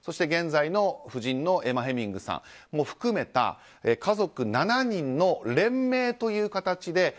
現在の夫人のエマ・ヘミングさんも含めた家族７人の連名という形で。